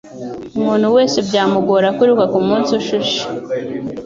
Umuntu wese byamugora kwiruka kumunsi ushushe